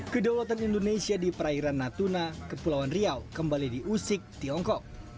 kedaulatan indonesia di perairan natuna kepulauan riau kembali diusik tiongkok